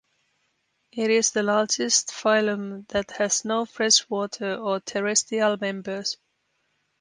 It is the largest phylum that has no freshwater or terrestrial members.